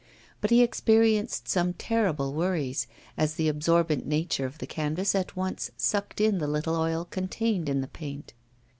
But he experienced some terrible worries, as the absorbent nature of the canvas at once sucked in the little oil contained in the paint.